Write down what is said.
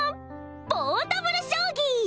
ポータブル将棋！